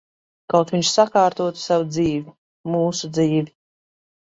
Kaut viņš sakārtotu savu dzīvi. Mūsu dzīvi.